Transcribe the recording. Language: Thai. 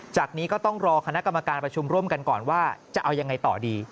จากนี้ก็ต้องรอคณะกรรมการประชุมร่วมกันก่อนว่าจะเอายังไงต่อดี